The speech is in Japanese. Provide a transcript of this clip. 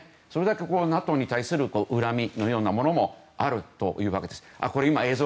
それだけＮＡＴＯに対する恨みのようなものもあるというわけです。